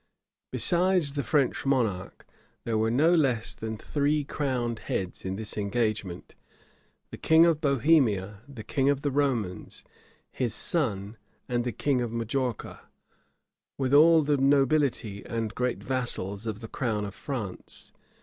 Besides the French monarch, there were no less than three crowned heads in this engagement; the king of Bohemia, the king of the Romans, his son, and the king of Majorca; with all the nobility and great vassals of the crown of France.